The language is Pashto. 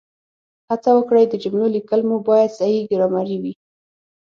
هڅه وکړئ د جملو لیکل مو باید صحیح ګرامري وي